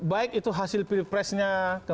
baik itu hasil pilpresnya